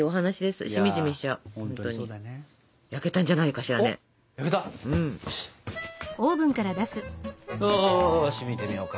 よし見てみようか。